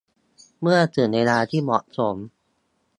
เมื่อถึงเวลาที่เหมาะสม